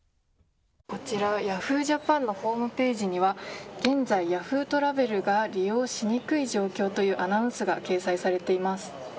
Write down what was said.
こちらＹａｈｏｏ！ＪＡＰＡＮのホームページには現在Ｙａｈｏｏ！トラベルが利用しにくい状況ですというアナウンスが掲載されています。